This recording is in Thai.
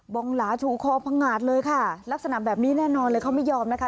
องหลาชูคอพังงาดเลยค่ะลักษณะแบบนี้แน่นอนเลยเขาไม่ยอมนะคะ